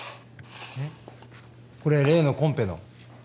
これ例のコンペの？